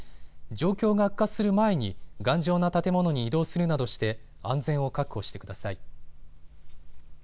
状況が悪化する前に頑丈な建物に移動するなどして安全を確保してください。